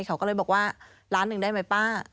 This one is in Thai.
เขาก็เลยบอกว่าล้านหนึ่งได้ไหมป้า